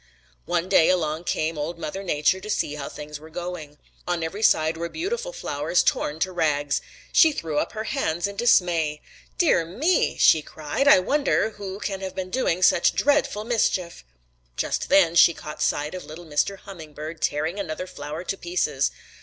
"One day along came Old Mother Nature to see how things were going. On every side were beautiful flowers torn to rags. She threw up her hands in dismay. 'Dear me!' she cried. 'I wonder who can have been doing such dreadful mischief!' "Just then she caught sight of little Mr. Hummingbird tearing another flower to pieces.